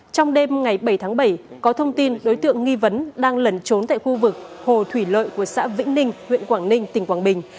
trong đêm ngày bảy tháng bảy có thông tin đối tượng nghi vấn đang lẩn trốn tại khu vực hồ thủy lợi của xã vĩnh ninh huyện quảng ninh tỉnh quảng bình